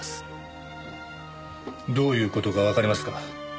どういう事かわかりますか？